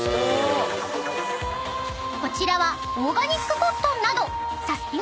［こちらはオーガニックコットンなどサスティな！